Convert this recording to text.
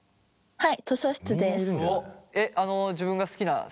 はい。